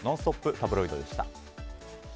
タブロイドでした。